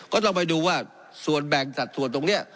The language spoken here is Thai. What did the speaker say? ก็ต้องไปดูว่าส่วนแบ่งสัดส่วนตรงนี้